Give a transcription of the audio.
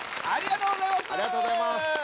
ありがとうございます。